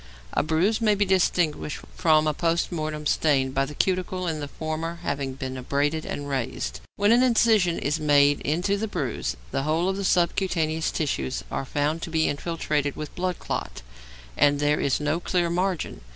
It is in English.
A bruise may be distinguished from a post mortem stain by the cuticle in the former often being abraded and raised. When an incision is made into the bruise, the whole of the subcutaneous tissues are found to be infiltrated with blood clot, and there is no clear margin.